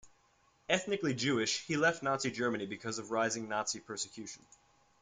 Ethnically Jewish, he left Nazi Germany because of rising Nazi persecution.